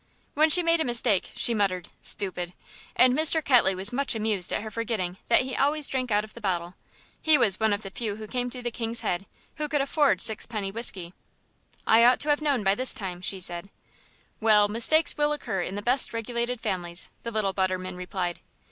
When she made a mistake she muttered "stupid," and Mr. Ketley was much amused at her forgetting that he always drank out of the bottle; he was one of the few who came to the "King's Head" who could afford sixpenny whisky. "I ought to have known by this time," she said. "Well, mistakes will occur in the best regulated families," the little butterman replied.